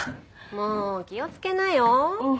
もう気をつけなよ。